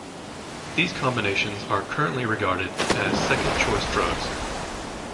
These combinations are currently regarded as second choice drugs.